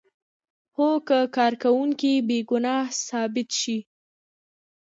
هو که کارکوونکی بې ګناه ثابت شي.